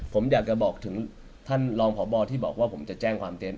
ผมอยากจะบอกถึงท่านรองพบที่บอกว่าผมจะแจ้งความเต็นต